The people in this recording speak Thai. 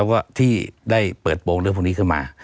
แล้วก็ที่ได้เปิดโปรงเรื่องพวกนี้ขึ้นมา